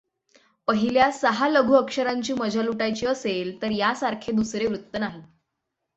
पहिल्या सहा लघु अक्षरांची मजा लुटायची असेल तर यासारखे दुसरे वृत्त नाही.